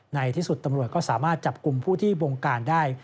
ในที่สุดตำรวจก็สามารถจับกลุ่มผู้ที่บงการได้